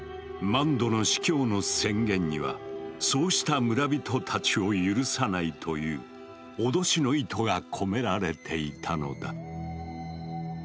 マンドの司教の宣言にはそうした村人たちを許さないという脅しの意図が込められていたのだ。